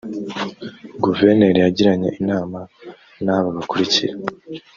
Guverineri yagiranye inama n’ aba bakurikira